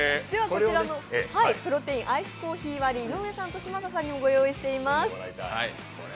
こちらのプロテインアイスコーヒー割り井上さんと嶋佐さんにもご用意しています。